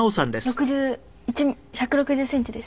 ６０１６０センチです。